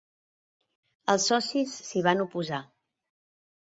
Els socis s'hi van oposar.